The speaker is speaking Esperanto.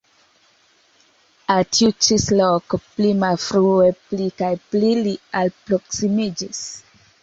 Al tiu ĉi skolo pli malfrue pli kaj pli li alproksimiĝis.